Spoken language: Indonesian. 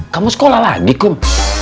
kamu sekolah lagi kum